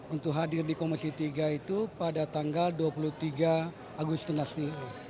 untuk hadir di komisi tiga itu pada tanggal dua puluh tiga agustus nanti